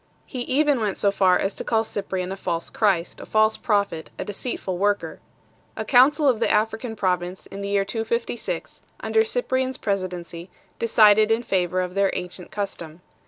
He even went so far as to call Cyprian a false Christ, a false prophet, a deceitful worker 1 . A council of the African province in the year 256, under Cyprian s presidency, decided in favour of their ancient custom 2